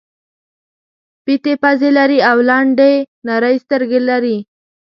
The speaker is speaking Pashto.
پېتې پزې لري او لنډې نرۍ سترګې لري.